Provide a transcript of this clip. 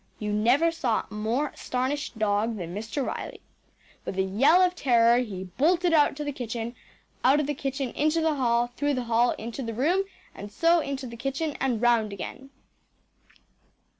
You never saw a more astonished dog than Mr. Riley. With a yell of terror he bolted out to the kitchen, out of the kitchen into the hall, through the hall into the room, and so into the kitchen and round again.